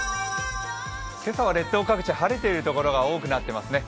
今朝は列島各地、晴れているところが多くなっていますね。